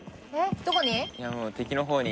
どこに？